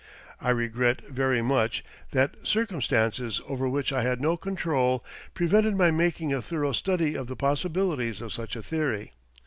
I regret very much that circumstances over which I had no control prevented my making a thorough study of the possibilities of such a theory.